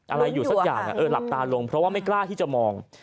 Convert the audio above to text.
อะไรอยู่สักอย่างหลับตาลงเพราะว่าไม่กล้าที่จะมอง